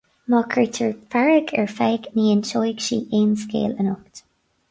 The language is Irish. Má curtar fearg ar Pheig ní inseoidh sí aon scéal anocht.